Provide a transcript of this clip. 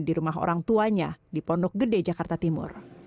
di rumah orang tuanya di pondok gede jakarta timur